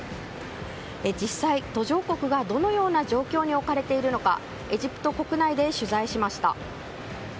実際、途上国がどのような状況に置かれているのかエジプト国内で取材しました。